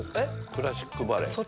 クラシックバレエ。